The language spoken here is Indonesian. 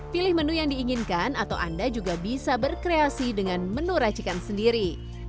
pilih menu yang diinginkan atau anda juga bisa berkreasi dengan menu racikan sendiri